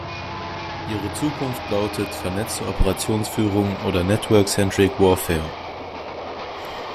Ihre Zukunft lautet "Vernetzte Operationsführung" oder "Network-Centric Warfare".